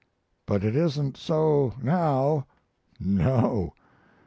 But it isn't so now no.